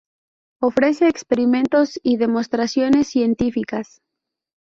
Ofrece experimentos y demostraciones científicas.